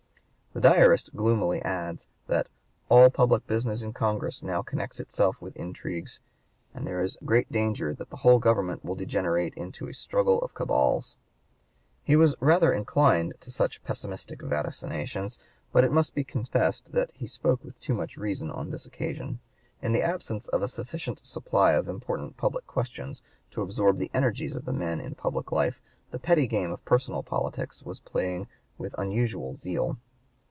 The diarist gloomily adds, that "all public business in Congress now connects itself with intrigues, and there is great danger that the whole Government will degenerate into a struggle of cabals." He was rather inclined to such pessimistic vaticinations; but it must be confessed that he spoke with too much reason on this occasion. In the absence of a sufficient supply of important public questions to absorb the energies of the men in public life, the petty game of personal politics was playing with unusual zeal.